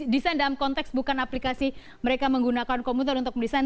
desain dalam konteks bukan aplikasi mereka menggunakan komputer untuk mendesain